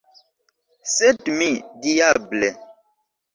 Sed mi, diable!